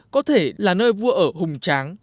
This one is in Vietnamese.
có thể là nơi vua ở hùng tráng